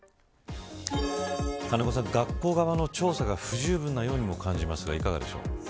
金子さん学校側の調査が不十分なようにも感じますがいかがですか。